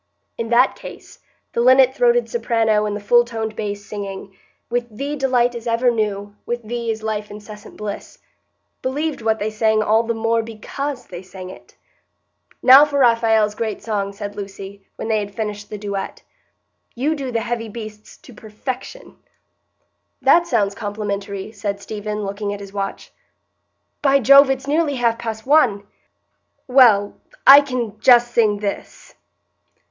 In that case, the linnet throated soprano and the full toned bass singing,— "With thee delight is ever new, With thee is life incessant bliss," believed what they sang all the more because they sang it. "Now for Raphael's great song," said Lucy, when they had finished the duet. "You do the 'heavy beasts' to perfection." "That sounds complimentary," said Stephen, looking at his watch. "By Jove, it's nearly half past one! Well, I can just sing this."